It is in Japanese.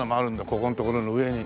ここのところの上に。